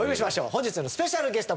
本日のスペシャルゲスト